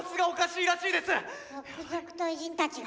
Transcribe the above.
続々と偉人たちが。